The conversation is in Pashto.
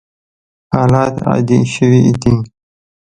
حالات عادي شوي دي.